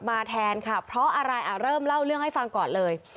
แทนค่ะเพราะอะไรอ่ะเริ่มเล่าเรื่องให้ฟังก่อนเลย